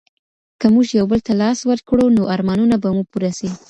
که موږ یو بل ته لاس ورکړو نو ارمانونه به مو پوره سي.